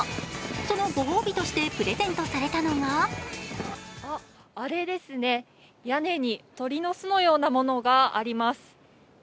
そのご褒美としてプレゼントされたのがあ、あれですね、屋根に鳥の巣のようなものがあります。